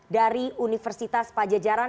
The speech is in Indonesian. dari universitas pajajaran